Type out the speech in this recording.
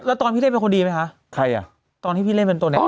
แล้วตอนพี่เล่นเป็นคนดีไหมคะใครอ่ะตอนที่พี่เล่นเป็นตัวเนี้ย